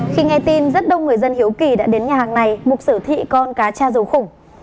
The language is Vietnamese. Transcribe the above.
khi nghe tin rất đông người dân hiếu kỳ đã đến nhà hàng này mục sử thị con cá cha dầu khủng